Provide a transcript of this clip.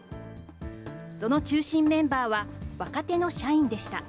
その中心メンバーは、若手の社員でした。